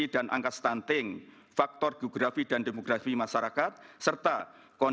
dan lembaga dan kesejahteraan